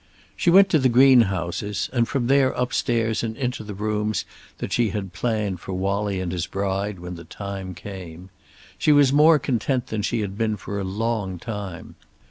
She went to the greenhouses, and from there upstairs and into the rooms that she had planned for Wallie and his bride, when the time came. She was more content than she had been for a long time.